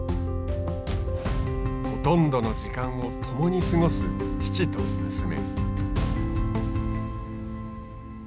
ほとんどの時間を共に過ごす父と娘。